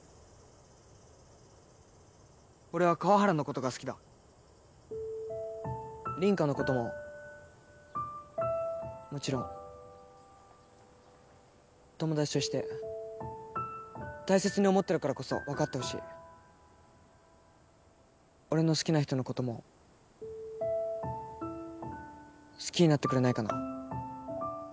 俺は川原のことが好きだ凛花のことももちろん友達として大切に思ってるからこそ分かってほしい俺の好きな人のことも好きになってくれないかな？